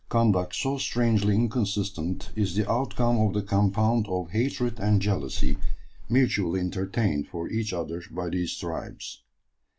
Conduct so strangely inconsistent is the outcome of the compound of hatred and jealousy mutually entertained for each other by these tribes.